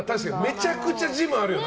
めちゃくちゃジムあるよな。